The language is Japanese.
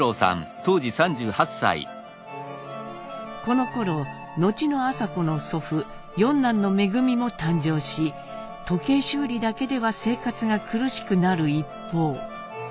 このころ後の麻子の祖父四男の恩も誕生し時計修理だけでは生活が苦しくなる一方。